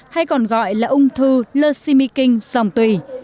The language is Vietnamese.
hay còn gọi là ung thư leucimikin dòng tùy